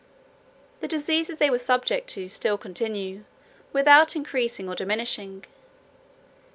The diseases they were subject to still continue, without increasing or diminishing.